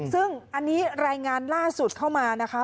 ซึ่งอันนี้รายงานล่าสุดเข้ามานะคะ